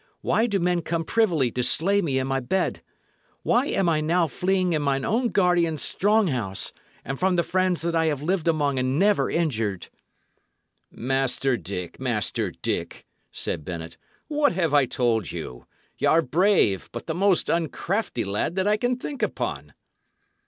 Why do men come privily to slay me in my bed? Why am I now fleeing in mine own guardian's strong house, and from the friends that I have lived among and never injured?" "Master Dick, Master Dick," said Bennet, "what told I you? Y' are brave, but the most uncrafty lad that I can think upon!"